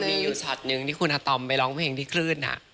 มีอยู่ช็อตนึงที่คุณอาตอมไปร้องเพลงที่คลื่น